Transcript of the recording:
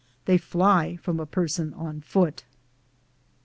They fly from a person on foot.